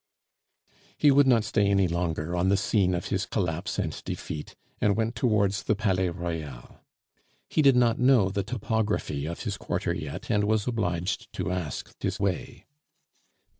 He would not stay any longer on the scene of his collapse and defeat, and went towards the Palais Royal. He did not know the topography of his quarter yet, and was obliged to ask his way.